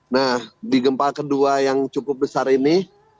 nah di gempa kedua yang cukup besar ini